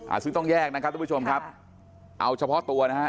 ซึ่งต้องแยกนะครับทุกผู้ชมครับเอาเฉพาะตัวนะฮะ